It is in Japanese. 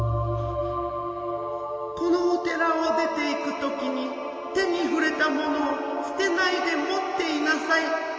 「このお寺を出ていく時に手にふれたものをすてないで持っていなさい」。